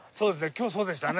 今日そうでしたね。